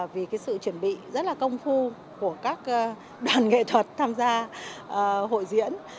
vì cái sự chuẩn bị rất là công phu của các đoàn nghệ thuật tham gia hội diễn